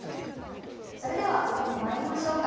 それでは歌にまいりましょうか。